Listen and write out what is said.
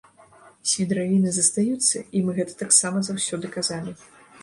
Свідравіны застаюцца, і мы гэта таксама заўсёды казалі!